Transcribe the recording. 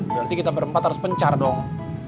berarti kita berempat harus pencar dong